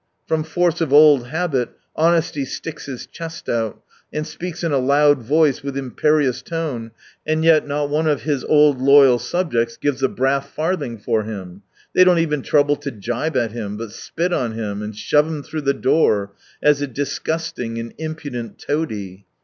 From force of old habit, honesty sticks his chest out, and speaks in a loud voice, with imperious tone, and yet not one of this old loyal subjects gives a brass farthing for him. They don't even trouble to gibe at him, but spit on him and shove him through the door, as a disgusting and impudent toady.